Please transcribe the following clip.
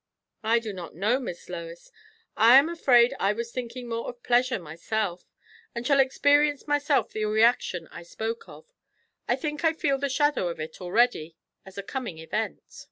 "I do not know, Miss Lois. I am afraid I was thinking more of pleasure, myself; and shall experience myself the reaction I spoke of. I think I feel the shadow of it already, as a coming event."